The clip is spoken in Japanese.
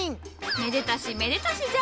めでたしめでたしじゃ。